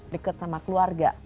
dekat sama keluarga